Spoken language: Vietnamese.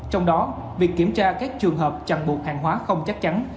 trong đó việc kiểm tra các trường hợp chặn buộc hàng hóa không chắc chắn